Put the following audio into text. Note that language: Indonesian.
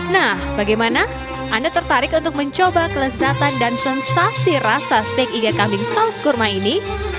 nah bagaimana anda tertarik untuk mencoba kelezatan dan sensasi rasa steak iga kambing saus kurma ini